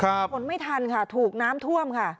ครับผลไม่ทันค่ะถูกน้ำท่วมค่ะ